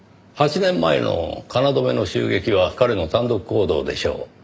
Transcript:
８年前の京の襲撃は彼の単独行動でしょう。